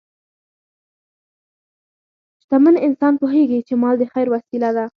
شتمن انسان پوهېږي چې مال د خیر وسیله ده.